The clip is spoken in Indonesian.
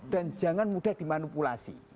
dan jangan mudah dimanipulasi